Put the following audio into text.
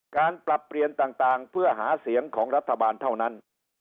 การปรับเปลี่ยนต่างเพื่อหาเสียงของรัฐบาลเท่านั้น